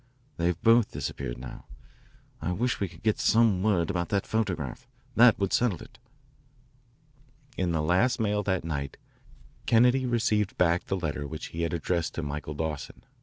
They've both disappeared now. I wish we could get some word about that photograph. That would settle it." In the last mail that night Kennedy received back the letter which he had addressed to Michael Dawson.